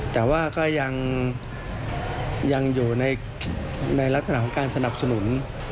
แต่ว่าก็ยังอยู่ในลักษณะของการสนับสนุน